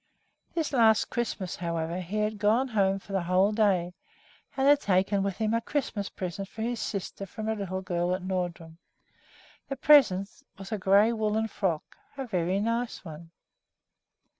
This last Christmas, however, he had gone home for the whole day and had taken with him a Christmas present for his sister from a little girl at Nordrum. The present was a gray woolen frock, a very nice one.